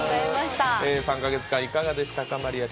３か月間、いかがでしたか？